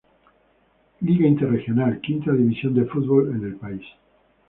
Liga Interregional, quinta división de fútbol en el país.